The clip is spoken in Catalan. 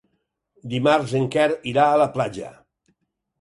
Dimarts en Quer irà a la platja.